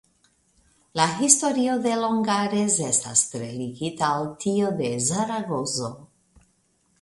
La historio de Longares estas tre ligita al tiu de Zaragozo.